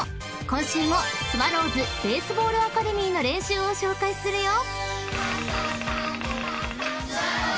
今週もスワローズベースボールアカデミーの練習を紹介するよ］